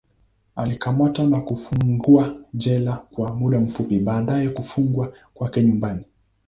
Alikamatwa na kufungwa jela kwa muda fupi, baadaye kufungwa kwake nyumbani.